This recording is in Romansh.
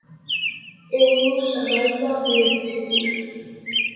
Eu nu savaiva bler che dir.